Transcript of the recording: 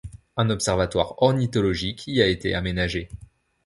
Un observatoire ornithologique y a été aménagé.